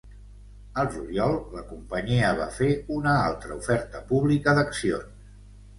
Al juliol, la companyia va fer una altra oferta pública d'accions.